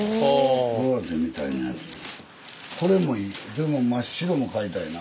でも真っ白も買いたいな。